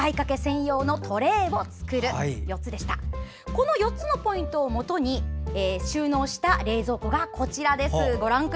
この４つのポイントをもとに収納した冷蔵庫がこちらです。